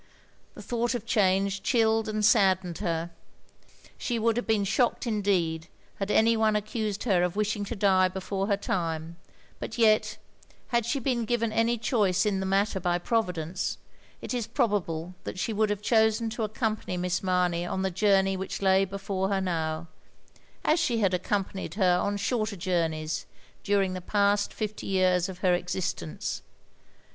The thought of change chilled and saddened her. She would have been shocked indeed had any one accused her of wishing to die before her time; but yet, had she been given any choice in the matter by Providence, it is probable that she would have chosen to accompany Miss Mamey on the joiUTiey which lay before her now, — as she had accompanied her on shorter jotimeys, dtuing the past fifty years of her existence.